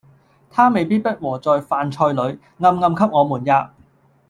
他未必不和在飯菜裏，暗暗給我們喫。